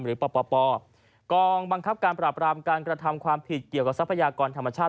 ปปกองบังคับการปราบรามการกระทำความผิดเกี่ยวกับทรัพยากรธรรมชาติ